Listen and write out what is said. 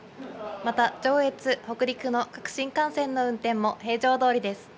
また上越、北陸の各新幹線の運転も平常どおりです。